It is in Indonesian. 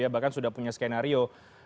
bahkan sudah punya skenario